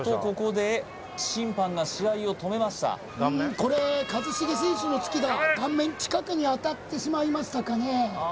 これ一茂選手の突きが顔面近くに当たってしまいましたかねああ